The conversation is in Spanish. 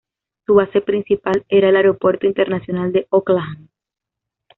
Su base principal era el Aeropuerto Internacional de Oakland.